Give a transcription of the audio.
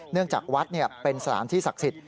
จากวัดเป็นสถานที่ศักดิ์สิทธิ